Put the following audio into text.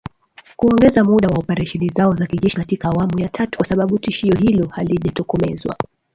Kuongeza muda wa operesheni zao za kijeshi katika awamu ya tatu kwa sababu tishio hilo halijatokomezwa